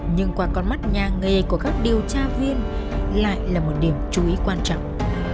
nhưng qua con mắt nhà nghề của các điều tra viên lại là một điểm chú ý quan trọng